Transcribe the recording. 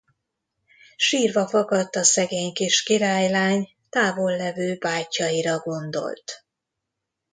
Sírva fakadt a szegény kis királylány, távollevő bátyjaira gondolt.